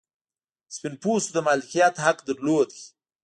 سپین پوستو د مالکیت حق درلود.